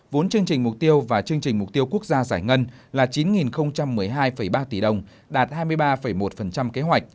vốn chương trình mục tiêu và chương trình mục tiêu quốc gia giải ngân là chín một mươi hai ba tỷ đồng đạt hai mươi ba một kế hoạch